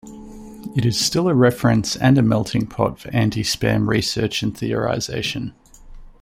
It is still a reference and a melting pot for anti-spam research and theorization.